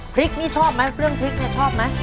พริกนี่ชอบไหมเรื่องพริกเนี่ยชอบไหม